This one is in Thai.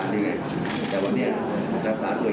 เกิดทำงานอะไรอย่างนี้ลองไหนก็คุณผู้ป่วย